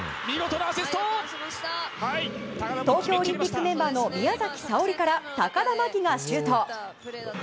東京オリンピックメンバーの宮崎早織から高田真希がシュート。